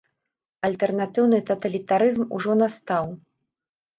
Альтэрнатыўны таталітарызм ужо настаў.